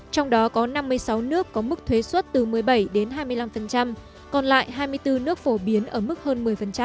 trong đó có năm mươi sáu nước có mức thuế xuất từ một mươi bảy đến hai mươi năm còn lại hai mươi bốn nước phổ biến ở mức hơn một mươi